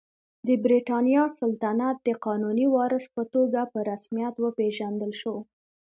د برېټانیا سلطنت د قانوني وارث په توګه په رسمیت وپېژندل شو.